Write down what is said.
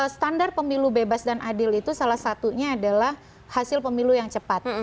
standar pemilu bebas dan adil itu salah satunya adalah hasil pemilu yang cepat